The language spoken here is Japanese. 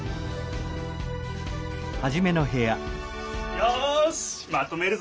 よしまとめるぞ！